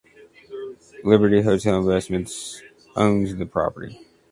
Liberty Hotel Investments owns the property.